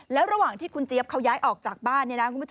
แล้วระหว่างที่คุณเจี๊ยบเขาย้ายออกจากบ้าน